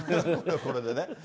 これでね。